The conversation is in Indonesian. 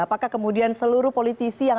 apakah kemudian seluruh politisi yang